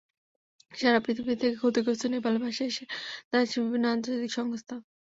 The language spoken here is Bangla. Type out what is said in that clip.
সারা পৃথিবী থেকেই ক্ষতিগ্রস্ত নেপালের পাশে এসে দাঁড়াচ্ছে বিভিন্ন আন্তর্জাতিক সংস্থা।